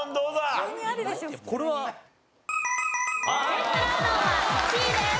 天ぷらうどんは１位です。